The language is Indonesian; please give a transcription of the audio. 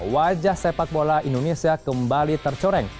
wajah sepak bola indonesia kembali tercoreng